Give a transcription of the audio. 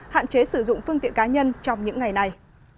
hạn chế sử dụng phương tiện cá nhân trong những ngày này